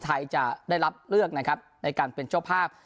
ไทยจะได้รับเลือกนะครับในการเป็นเจ้าภาพ